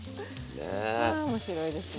あ面白いですね。